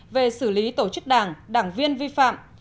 về xử lý tổ chức đảng đảng viên vi phạm